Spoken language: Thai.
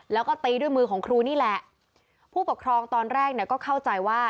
แล้วก็ตีด้วยมือของครูนี่แหละผู้ปกครองตอนแรกเนี่ยก็เข้าใจว่า